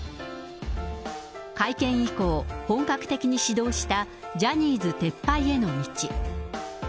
会見以降、本格的に始動したジャニーズ撤廃への道。